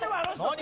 何？